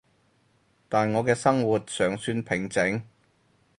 但我嘅生活尚算平靜